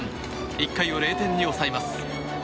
１回を０点に抑えます。